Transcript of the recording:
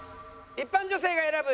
一般女性が選ぶ